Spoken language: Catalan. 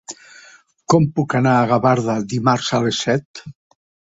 Com puc anar a Gavarda dimarts a les set?